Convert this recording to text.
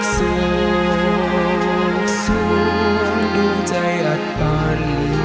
สุขสุขด้วยใจอัดปัน